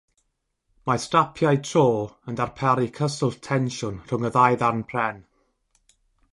Mae strapiau tro yn darparu cyswllt tensiwn rhwng y ddau ddarn pren.